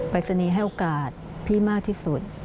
รายศนีย์ให้โอกาสพี่มากที่สุด